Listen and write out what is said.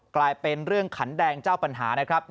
กลายเป็นเรื่องขันแดงเจ้าปัญหานะครับ